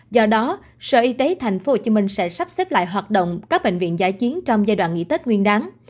do đó sở y tế tp hcm sẽ sắp xếp lại hoạt động các bệnh viện giải chiến trong giai đoạn nghỉ tết nguyên đáng